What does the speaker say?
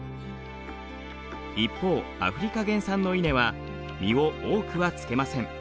一方アフリカ原産の稲は実を多くはつけません。